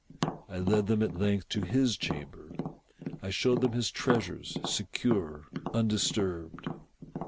I led them, at length, to his chamber. I showed them his treasures, secure, undis turbed.